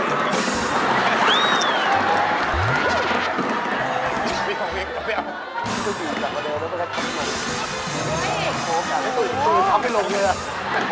วิ่งต่อบิ๊กก็ไม่อบ